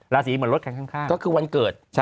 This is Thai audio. ราศรีเหมือนรถข้างก็คือวันเกิด